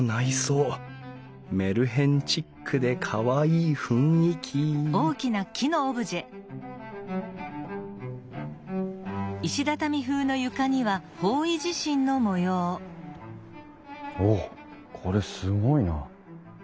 メルヘンチックでかわいい雰囲気おっこれすごいな。